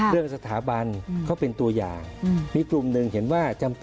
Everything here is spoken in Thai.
เรื่องสถาบันเขาเป็นตัวอย่างมีกลุ่มหนึ่งเห็นว่าจำ